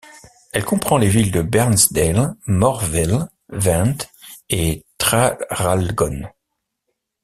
Elle comprend les villes de Bairnsdale, Morwell, Vente et Traralgon.